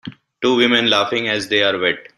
Two women laughing as they are wet.